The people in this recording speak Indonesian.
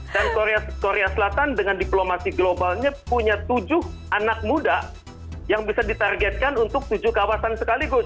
dan korea selatan dengan diplomasi globalnya punya tujuh anak muda yang bisa ditargetkan untuk tujuh kawasan sekaligus